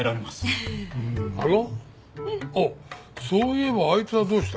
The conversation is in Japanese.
ああそういえばあいつはどうした？